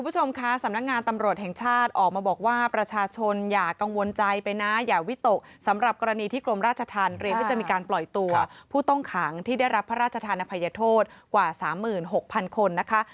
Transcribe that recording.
คุณผู้ชมคะสำนักงานตำรวจแห่งชาติออกมาบอกว่าประชาชนอย่ากังวลใจไปนะอย่าวิตกสำหรับกรณีที่กรมราชธรรมเรียมที่จะมีการปล่อยตัวผู้ต้องขังที่ได้รับพระราชธานภัยโทษกว่า๓๖๐๐คนนะคะ